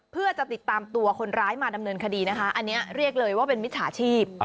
เพื่อจะติดตามตัวคนร้ายมาดำเนินคดีนะคะอันนี้เรียกเลยว่าเป็นมิจฉาชีพ